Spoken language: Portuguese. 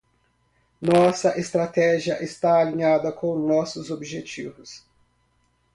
Nossa estratégia está alinhada com nossos objetivos.